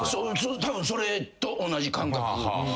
たぶんそれと同じ感覚。